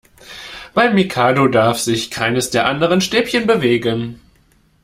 Beim Mikado darf sich keines der anderen Stäbchen bewegen.